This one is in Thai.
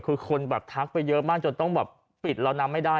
คือคนแบบทักไปเยอะมากจนต้องแบบปิดเรานำไม่ได้